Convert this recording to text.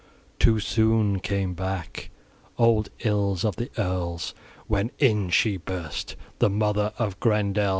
Too soon came back old ills of the earls, when in she burst, the mother of Grendel.